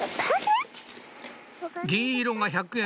銀色が１００円